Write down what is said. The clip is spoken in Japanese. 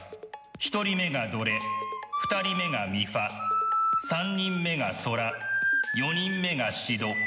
１人目がドレ２人目がミファ３人目がソラ、４人目がシド。